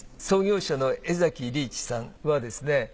創業者の江崎利一さんはですね